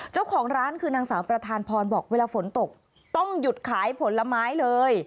เจ้าของร้านคือนางสาวประธานพรบอกเวลาฝนตกต้องหยุดขายผลไม้เลย